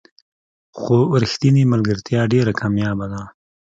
خو رښتینې ملګرتیا ډېره کمیابه ده.